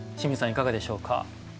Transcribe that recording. いかがでしょうか？